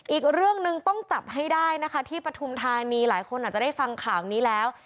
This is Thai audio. อีกเรื่องหนึ่งต้องจับให้ได้นะคะที่ปฐุมธานีหลายคนอาจจะได้ฟังข่าวนี้แล้ว